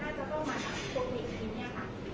แต่ว่าไม่มีปรากฏว่าถ้าเกิดคนให้ยาที่๓๑